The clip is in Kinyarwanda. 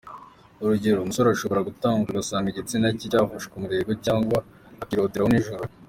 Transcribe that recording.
Urugero, umusore ashobora gukanguka agasanga igitsina cye cyafashe umurego cyangwa akiroteraho nijoro.